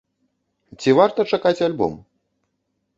Ці варта чакаць альбом?